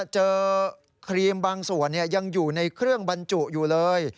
ครีมบางส่วนยังอยู่ในเครื่องบรรจุอยู่เลย